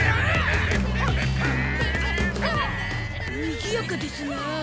にぎやかですなあ。